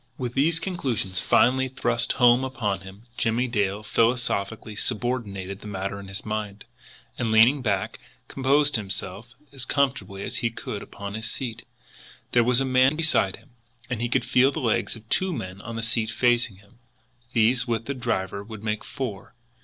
With these conclusions finally thrust home upon him, Jimmie Dale philosophically subordinated the matter in his mind, and, leaning back, composed himself as comfortably as he could upon his seat. There was a man beside him, and he could feel the legs of two men on the seat facing him. These, with the driver, would make four.